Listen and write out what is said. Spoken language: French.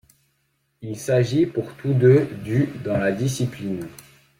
Il s'agit pour tous deux du dans la discipline.